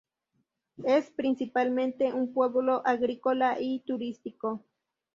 Es principalmente un pueblo agrícola y turístico.